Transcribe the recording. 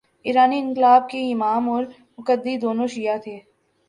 ایرانی انقلاب کے امام اور مقتدی، دونوں شیعہ تھے۔